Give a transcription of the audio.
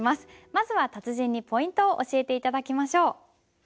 まずは達人にポイントを教えて頂きましょう。